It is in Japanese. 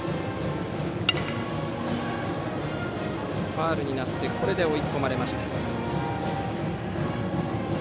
ファウルになってこれで追い込まれました。